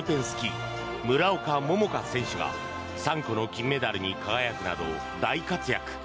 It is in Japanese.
スキー村岡桃佳選手が３個の金メダルに輝くなど大活躍。